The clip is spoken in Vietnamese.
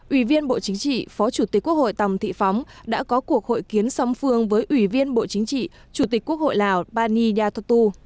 ủy viên bộ chính trị phó chủ tịch quốc hội tòng thị phóng đã có cuộc hội kiến song phương với ủy viên bộ chính trị chủ tịch quốc hội lào pani yathotu